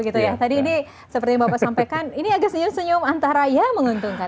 tadi ini seperti yang bapak sampaikan ini agak senyum senyum antara ya menguntungkan